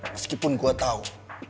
meskipun gue tau